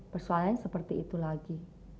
persoalan seperti itu lagi